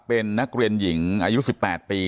เป็นนักเรียนหญิงอายุ๑๘ปี